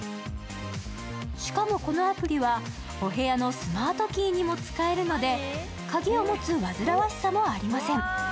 しかも、このアプリはお部屋のスマートキーにも使えるので鍵を持つわずらわしさもありません。